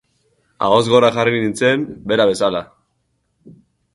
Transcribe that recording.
Ahoz gora jarri nintzen, bera bezala.